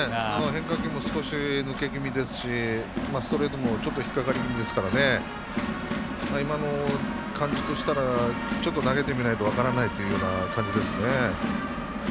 変化球も少し抜け気味ですしストレートもちょっと引っ掛かり気味ですから今の感じとしたらちょっと投げてみないと分からないというような感じですね。